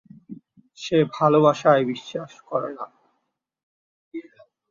সে ভালোবাসায় বিশ্বাস করে না।